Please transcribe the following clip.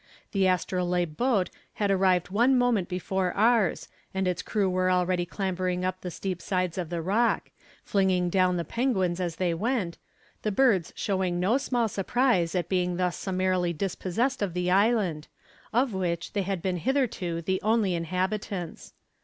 The Astrolabe boat had arrived one moment before ours, and its crew were already clambering up the steep sides of the rock, flinging down the penguins as they went, the birds showing no small surprise at being thus summarily dispossessed of the island, of which they had been hitherto the only inhabitants.